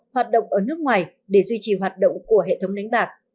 hoạt động ở nước ngoài để duy trì hoạt động của hệ thống đánh bạc